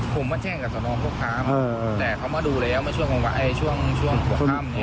ผมมาแจ้งกับสอนอคโครคลามแต่เขามาดูแล้วมาช่วงของไว้ช่วงช่วงหัวข้ามเนี้ย